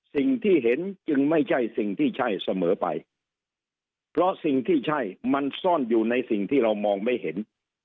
สิ่งที่เห็นจึงไม่ใช่สิ่งที่ใช่เสมอไปเพราะสิ่งที่ใช่มันซ่อนอยู่ในสิ่งที่เรามองไม่เห็น